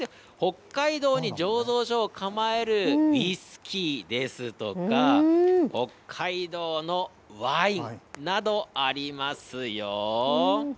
北海道に醸造所を構えるウイスキーですとか、北海道のワインなどありますよ。